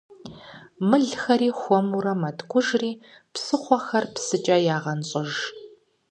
Мылхэри хуэмурэ мэткӀужри псыхъуэхэр псыкӀэ ягъэнщӀыж.